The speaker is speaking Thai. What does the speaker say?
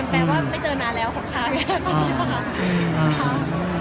มันแปลว่าไม่เจอนั่นแล้วของฉัน